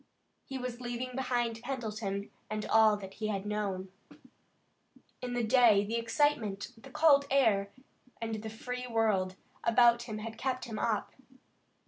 He was leaving behind Pendleton and all that he had known. In the day the excitement, the cold air, and the free world about him had kept him up.